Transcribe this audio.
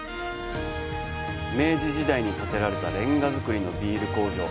明治時代に建てられたれんが造りのビール工場。